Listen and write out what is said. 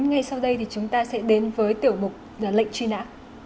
ngay sau đây thì chúng ta sẽ đến với tiểu mục lệnh truy nã